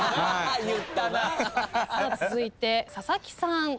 続いて佐々木さん。